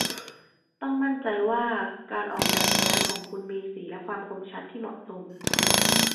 ต้องมั่นใจว่าการออกแบบสไลด์ของคุณมีสีและความคมชัดที่เหมาะสม